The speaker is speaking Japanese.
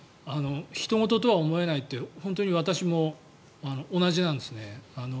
ひと事とは思えないって本当に私も同じなんですね。